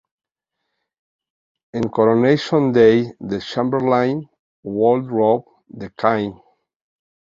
On coronation day the chamberlain would robe the king.